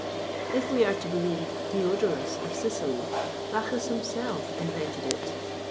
If we are to believe Diodorus of Sicily, Bacchus himself invented it.